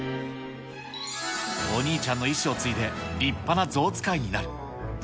お兄ちゃんの遺志を継いで、立派な象使いになる。